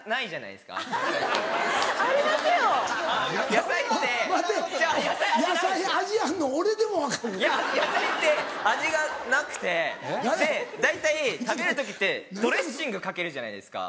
いや野菜って味がなくて大体食べる時ってドレッシングかけるじゃないですか。